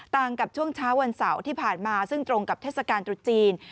ต่างกับช่วงเช้าวันเสาร์ที่ผ่านมาซึ่งตรงกับเทศกาลตรุษจีน